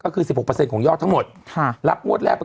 ก็คือสิบหกเปอร์เซ็นต์ของยอดทั้งหมดค่ะรับงวดแรกด้วยกว่าสิบหกเปอร์เซ็นต์